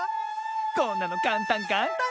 こんなのかんたんかんたん！